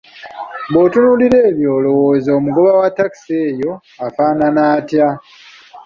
Bw'otunuulira ebyo olowooza omugoba wa takisi eyo afaanana atya?